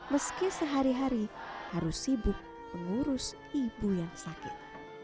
meski sehari hari harus sibuk mengurus ibu yang sakit